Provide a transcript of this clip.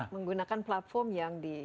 menggunakan platform yang di